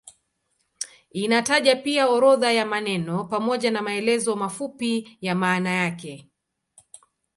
Inataja pia orodha ya maneno pamoja na maelezo mafupi ya maana yake.